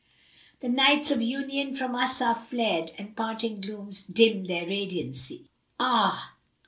The nights of Union from us are fled * And parting glooms dim their radiancy; Ah!